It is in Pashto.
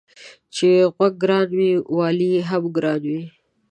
چي غوږ گران وي والى يې هم گران وي.